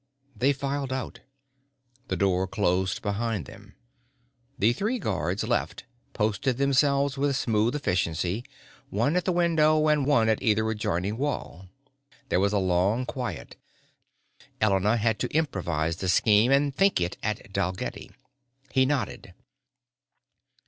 They filed out. The door closed behind them. The three guards left posted themselves with smooth efficiency, one at the window and one at either adjoining wall. There was a long quiet. Elena had to improvise the scheme and think it at Dalgetty. He nodded.